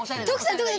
徳さん。